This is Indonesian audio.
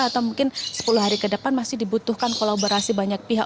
atau mungkin sepuluh hari ke depan masih dibutuhkan kolaborasi banyak pihak